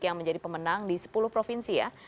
yang menjadi pemenang di sepuluh provinsi ya